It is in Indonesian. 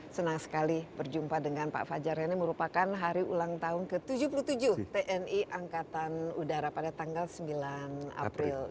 senang sekali berjumpa dengan pak fajar ini merupakan hari ulang tahun ke tujuh puluh tujuh tni angkatan udara pada tanggal sembilan april